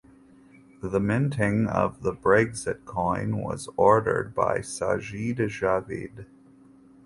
The minting of the Brexit coin was ordered by Sajid Javid.